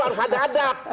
harus ada adab